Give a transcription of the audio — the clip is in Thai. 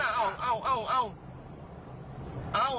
ในมือเรื่องไล่บิบ